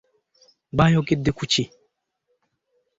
Baayogedde ku ki?